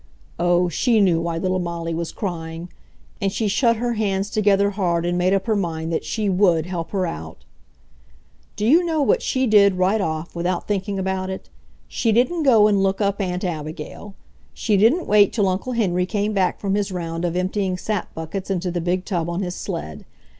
Oh, she knew why little Molly was crying! And she shut her hands together hard and made up her mind that she WOULD help her out! [Illustration: "What's the matter, Molly? What's the matter?"] Do you know what she did, right off, without thinking about it? She didn't go and look up Aunt Abigail. She didn't wait till Uncle Henry came back from his round of emptying sap buckets into the big tub on his sled.